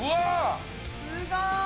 すごい。